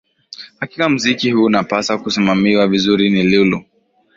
Hakika mziki huu unapaswa kusimamiwa vizuri ni lulu